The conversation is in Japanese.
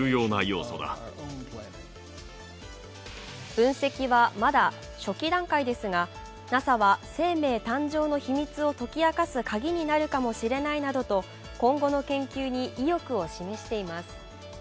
分析は、まだ初期段階ですがＮＡＳＡは生命誕生の秘密を解き明かすカギになるかもしれないなどと今後の研究に意欲を示しています。